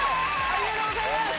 ありがとうございます。